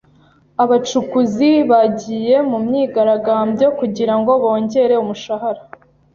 Abacukuzi bagiye mu myigaragambyo kugirango bongere umushahara.